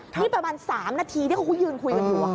นี่ประมาณ๓นาทีที่เขาก็ยืนคุยกันอยู่